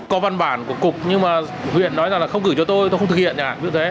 có văn bản của cục nhưng mà huyện nói là không gửi cho tôi tôi không thực hiện nhà như thế